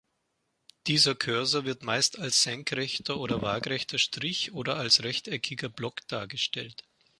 Dieser Cursor wird meist als senkrechter oder waagrechter Strich oder als rechteckiger Block dargestellt.